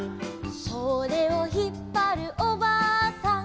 「それをひっぱるおばあさん」